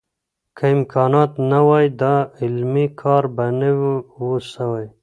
که امکانات نه وای، دا علمي کار به نه و سوی.